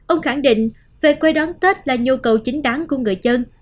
ông khẳng định về quê đón tết là nhu cầu chính đáng của người dân